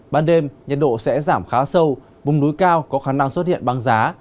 ban đêm nhiệt độ sẽ giảm khá sâu vùng núi cao có khả năng xuất hiện băng giá